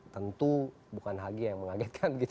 tentu bukan hagi yang mengagetkan gitu